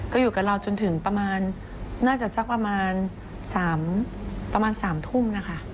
ก็อยู่กับเราจนถึงประมาณ๓ทุ่ม